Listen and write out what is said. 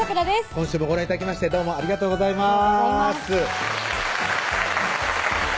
今週もご覧頂きましてどうもありがとうございます